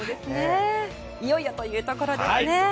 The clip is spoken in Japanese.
いよいよというところですね。